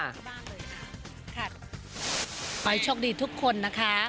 ขอให้โชคดีทุกคนนะคะ